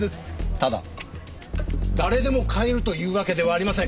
ただ誰でも買えるというわけではありません。